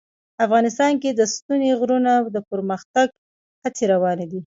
افغانستان کې د ستوني غرونه د پرمختګ هڅې روانې دي.